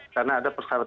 karena ada persatuan